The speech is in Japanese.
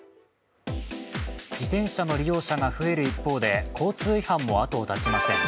自転車の利用者が増える一方で交通違反も後を絶ちません。